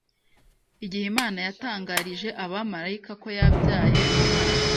" igihe Imana yatangarije abamarayika ko yabyaye Umwana